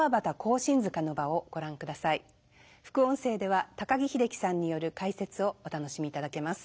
副音声では高木秀樹さんによる解説をお楽しみいただけます。